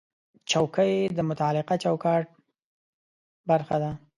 چوکۍ د متعلقه چوکاټ برخه ده.